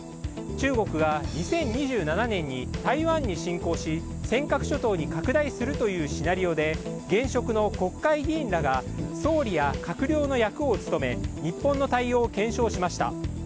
中国が２０２７年に台湾に侵攻し尖閣諸島に拡大するというシナリオで現職の国会議員らが総理や閣僚の役を務め日本の対応を検証しました。